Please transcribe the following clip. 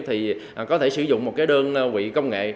thì có thể sử dụng một cái đơn vị công nghệ